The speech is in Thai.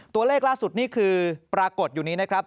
ตัวเลขล่าสุดนี่คือปรากฏอยู่นี้นะครับ